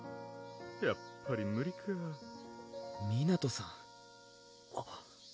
やっぱり無理かぁ湊さんあっ！